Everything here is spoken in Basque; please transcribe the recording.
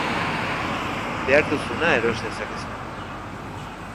Behar duzuna eros dezakezu.